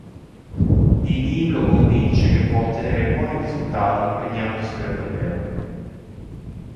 Dee Dee lo convince che può ottenere buoni risultati impegnandosi per davvero.